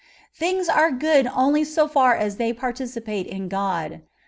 Things are good only so far as they participate in God.